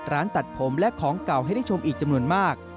ร้านตัดผมและของเก่าให้ได้ชมอีกจำนวนมาก